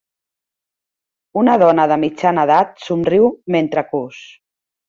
Una dona de mitjana edat somriu mentre cus.